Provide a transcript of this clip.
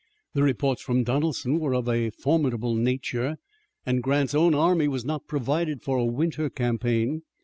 The reports from Donelson were of a formidable nature, and Grant's own army was not provided for a winter campaign.